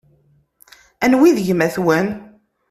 Anwa i d gma-twen?